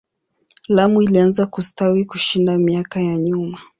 Lamu ilianza kustawi kushinda miaka ya nyuma.